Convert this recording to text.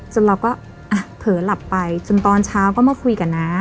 จนเราก็เผลอหลับไปจนตอนเช้าก็มาคุยกับน้า